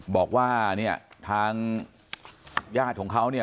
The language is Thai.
บอกว่าเนี่ยทางญาติของเขาเนี่ย